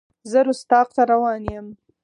زه رُستاق ته روان یم.